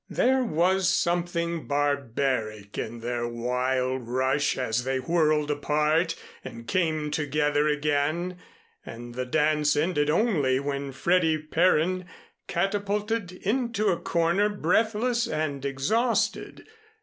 There was something barbaric in their wild rush as they whirled apart and came together again and the dance ended only when Freddy Perrine catapulted into a corner, breathless and exhausted.